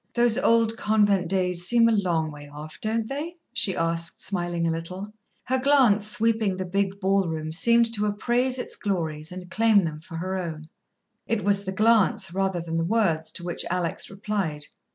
"Those old convent days seem a long way off, don't they?" she asked, smiling a little. Her glance, sweeping the big ballroom, seemed to appraise its glories and claim them for her own. It was the glance, rather than the words, to which Alex replied.